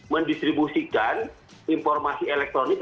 mendistribusikan informasi elektronik